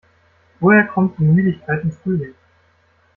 Woher kommt die Müdigkeit im Frühling?